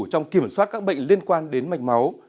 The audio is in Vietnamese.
trong kiểm soát các bệnh liên quan đến mạch máu